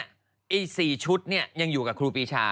ไอ้๔ชุดเนี่ยยังอยู่กับครูปีชา